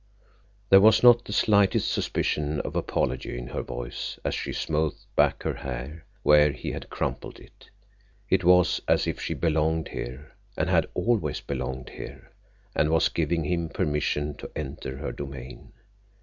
There was not the slightest suspicion of apology in her voice as she smoothed back her hair where he had crumpled it. It was as if she belonged here, and had always belonged here, and was giving him permission to enter her domain.